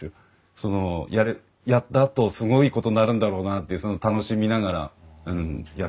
そのやったあとすごいことになるんだろうなっていう楽しみながらやってるのでね。